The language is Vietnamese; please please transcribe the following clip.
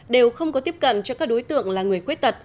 đều không có tiếp cận cho các đối tượng là người khuyết tật